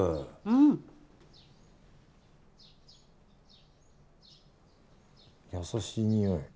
うん優しい匂い